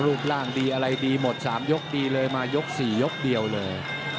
รูปร่างดีอะไรดีหมด๓ยกดีเลยมายก๔ยกเดียวเลย